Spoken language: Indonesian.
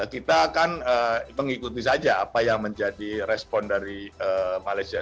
kita akan mengikuti saja apa yang menjadi respon dari malaysia